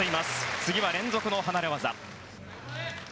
次は連続の離れ技。